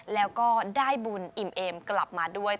และก็ได้บุญอิ๋มเอ็มกลับมาด้วยค่ะ